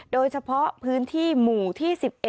โดยเฉพาะพื้นที่หมู่ที่๑๑